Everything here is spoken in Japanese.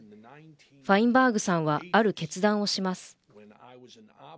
ファインバーグさんはある決断をします。